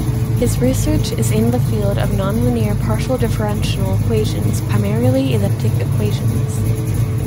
His research is in the field of nonlinear partial differential equations, primarily elliptic equations.